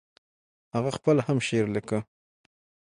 هغه خپله هم شعر ليکه.